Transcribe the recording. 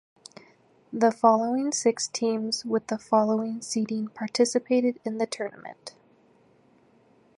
The following six teams with the following seeding participated in the tournament.